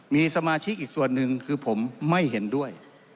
มีสมาชิกอีกส่วนหนึ่งคือผมไม่เห็นด้วย